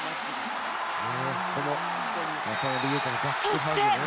そして。